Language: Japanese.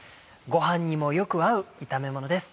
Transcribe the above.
ご飯にもよく合う炒めものです。